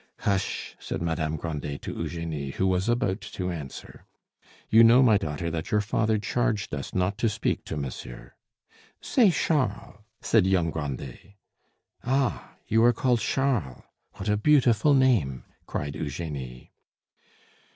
"Hush!" said Madame Grandet to Eugenie, who was about to answer; "you know, my daughter, that your father charged us not to speak to monsieur " "Say Charles," said young Grandet. "Ah! you are called Charles? What a beautiful name!" cried Eugenie.